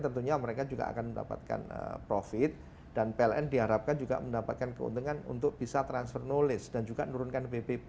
tentunya mereka juga akan mendapatkan profit dan pln diharapkan juga mendapatkan keuntungan untuk bisa transfer knowledge dan juga menurunkan pbb